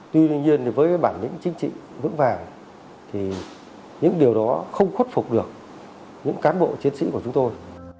tuy nhiên với bản lĩnh chính trị vững vàng thì những điều đó không khuất phục được những cán bộ chiến sĩ của chúng tôi